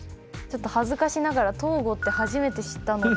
ちょっと恥ずかしながらトーゴって初めて知ったので。